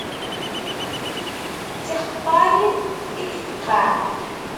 D tixeṭṭay i ifeqqeε.